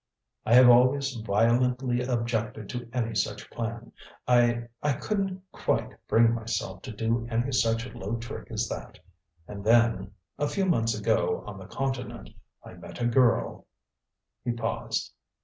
I have always violently objected to any such plan. I I couldn't quite bring myself to do any such low trick as that. And then a few months ago on the Continent I met a girl " He paused.